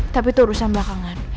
tapi itu urusan belakangan